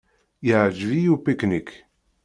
Iεǧeb-iyi upiknik.